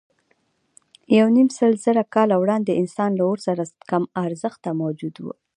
یونیمسلزره کاله وړاندې انسانان له اور سره کم ارزښته موجودات وو.